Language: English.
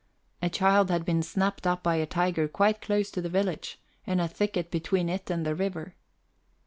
A child had been snapped up by a tiger quite close to the village, in a thicket between it and the river.